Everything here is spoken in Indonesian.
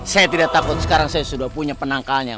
saya tidak takut sekarang saya sudah punya penangkalnya